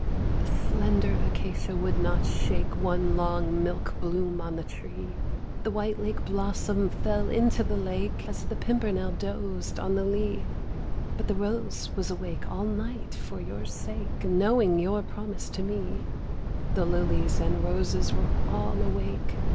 8. The slender acacia would not shake One long milk bloom on the tree; The white lake blossom fell into the lake, As the pimpernel dozed on the lea; But the rose was awake all night for your sake, Knowing your promise to me; The lilies and roses were all awake.